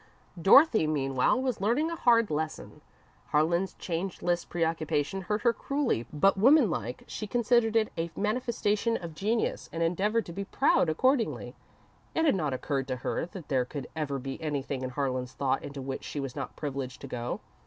Dorothy, meanwhile, was learning a hard lesson. Harlan's changeless preoccupation hurt her cruelly, but, woman like, she considered it a manifestation of genius and endeavoured to be proud accordingly. It had not occurred to her that there could ever be anything in Harlan's thought into which she was not privileged to go.